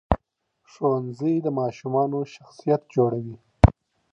ښوونځی د ماشومانو شخصیت جوړوي.